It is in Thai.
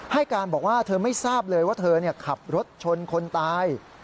ให้การบอกว่าเธอไม่ทราบเลยว่าเธอขับรถชนคนตาย